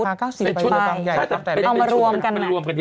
อันนั้นเป็นฟุตในชุดการ์ใหญ่ใช่ต่างเอามารวมกัน